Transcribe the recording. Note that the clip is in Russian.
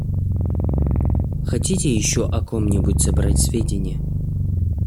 Хотите еще о ком-нибудь собрать сведения?